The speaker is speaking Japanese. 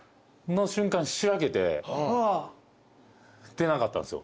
出なかったんですよ